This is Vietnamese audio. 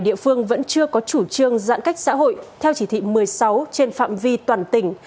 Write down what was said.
địa phương vẫn chưa có chủ trương giãn cách xã hội theo chỉ thị một mươi sáu trên phạm vi toàn tỉnh